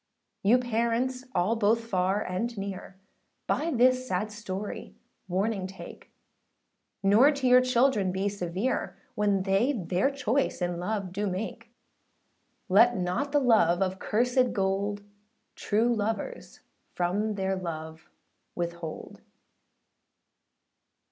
You parents all both far and near, By this sad story warning take; Nor to your children be severe, When they their choice in love do make; Let not the love of cursèd gold, True lovers from their love withhold.